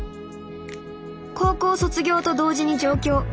高校卒業と同時に上京。